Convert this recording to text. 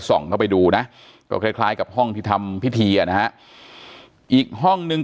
ส่องเข้าไปดูนะก็คล้ายกับห้องที่ทำพิธีนะอีกห้องนึง